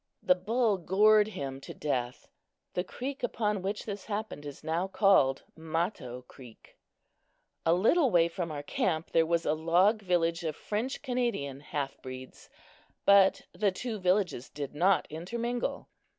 The bull gored him to death. The creek upon which this happened is now called Mato creek. A little way from our camp there was a log village of French Canadian half breeds, but the two villages did not intermingle.